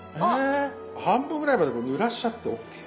半分ぐらいまでぬらしちゃってＯＫ。